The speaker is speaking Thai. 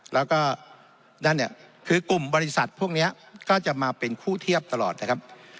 แล้วก็นั่นเนี่ยคือกลุ่มบริษัทพวกนี้ก็จะมาเป็นคู่เทียบตลอดนะครับ